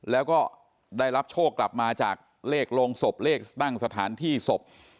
แล้วก็ได้รับโชคกลับมาจากเลขโรงศพเลขตั้งสถานที่ศพ